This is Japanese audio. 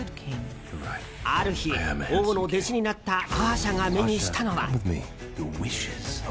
ある日、王の弟子になったアーシャが目にしたのは。